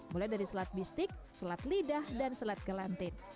mulai dari selat bistik selat lidah dan selat gelantin